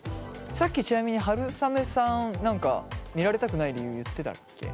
さっきちなみにはるさめさん何か見られたくない理由言ってたっけ？